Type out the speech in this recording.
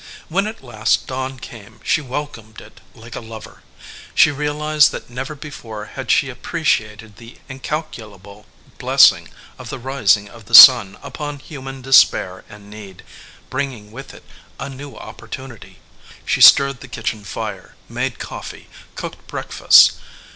When at last dawn came she welcomed it like a lover. She realized that never before had she ap preciated the incalculable blessing of the rising of the sun upon human despair and need, bringing with it a new opportunity. She stirred the kitchen fire, made coffee, cooked breakfast.